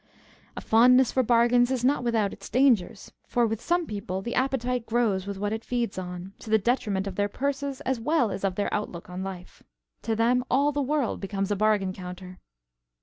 A fondness for bargains is not without its dangers, for with some people the appetite grows with what it feeds on, to the detriment of their purses as well as of their outlook on life. To them, all the world becomes a bargain counter.